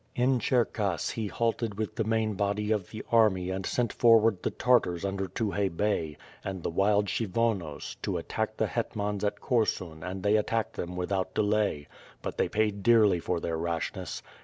In Cherkass he halted with the main body of the army and sent forward the Tartars under Tukhay Bey, and the wild Kshyvonos, to attack the hetmans at Korsim and they at tacked them without delay. But they paid dearly for their rashness.